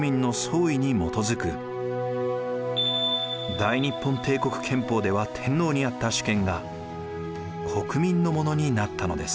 大日本帝国憲法では天皇にあった主権が国民のものになったのです。